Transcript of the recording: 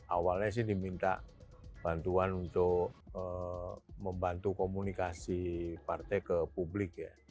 awalnya sih diminta bantuan untuk membantu komunikasi partai ke publik ya